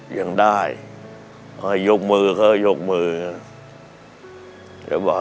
ยังได้ยกมือเขายกมือเขายกมือเขายกมือเขา